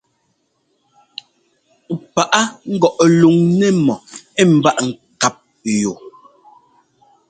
Paʼá ŋgɔʼ luŋ nɛ́mɔ ɛ́ ḿbaa ŋkáp yu.